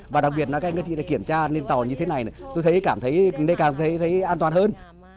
và đặc biệt là các anh các chị đã kiểm tra lên tàu như thế này tôi thấy cảm thấy an toàn hơn